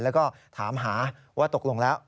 แล้วก็ถามหาว่าตกลงแล้ว